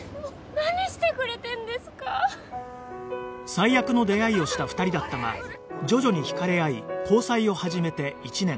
最悪の出会いをした２人だったが徐々に惹かれ合い交際を始めて１年